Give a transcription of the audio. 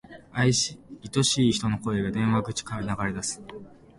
愛しい人の声が、電話口から流れ出す。